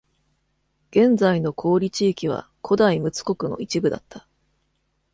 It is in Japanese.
現在の小織地域は古代陸奥国の一部だった。